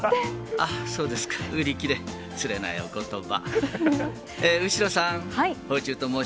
あっ、そうですか、売り切れ、つれないおことば。